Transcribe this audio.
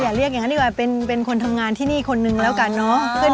เรียกอย่างนั้นดีกว่าเป็นคนทำงานที่นี่คนนึงแล้วกันเนอะ